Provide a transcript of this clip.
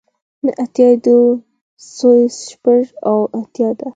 نه اتیای دوه سوه شپږ اوه اتیا